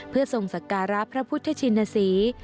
เพื่อทรงสักการะพระพุทธชินศรี